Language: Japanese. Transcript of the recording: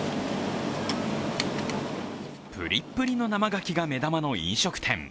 プリップリの生がきが目玉の飲食店。